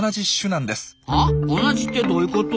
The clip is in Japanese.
同じってどういうこと？